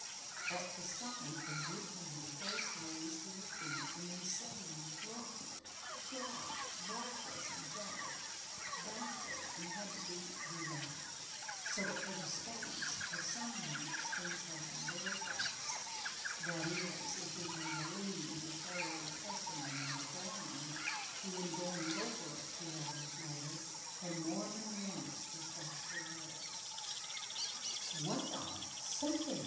At the sight the good woman first rose to her feet, and then as suddenly dropped flopped breathless and white backward and had to be revived, so that for the space of some minutes things happened very fast that is, if we may believe the flurried testimony of the blonde, who, in going over it, two hours later, had more than once to stop for breath. "Well, say!"